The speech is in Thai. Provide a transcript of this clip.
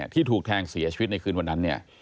ที่ถูกแทงเสียชีวิตในคืนวันนั้นเนี่ย